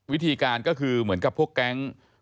วิธีการก็คือเหมือนกับพวกแก๊ง